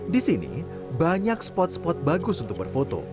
di sini banyak spot spot bagus untuk berfoto